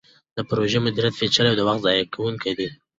د پروژو مدیریت پیچلی او وخت ضایع کوونکی دی.